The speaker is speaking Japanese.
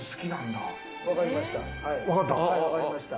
分かりました。